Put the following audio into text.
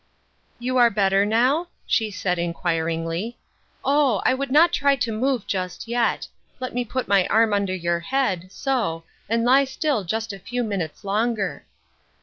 " You are better now ?" she said inquiringly. " Oh ! I would not try to move just yet ; let me put my arm under your head, so, and lie still just a few minutes longer."